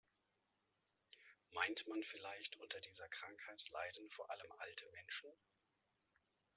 Meint man vielleicht, unter dieser Krankheit leiden vor allem alte Menschen?